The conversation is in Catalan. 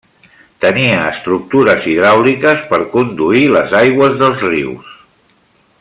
Tenia estructures hidràuliques per conduir les aigües dels rius.